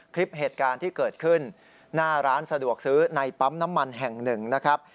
คลิปเหตุการณ์ที่เกิดขึ้นหน้าร้านสะดวกซื้อในปั๊มน้ำมันแห่งหนึ่งนะครับ